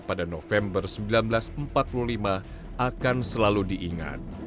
pada november seribu sembilan ratus empat puluh lima akan selalu diingat